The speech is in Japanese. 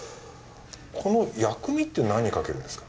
この薬味って何にかけるんですか？